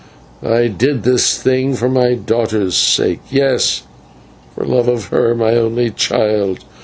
I did this thing for my daughter's sake; yes, for love of her, my only child.